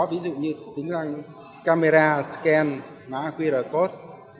ví dụ như tính ra camera scan mã qr code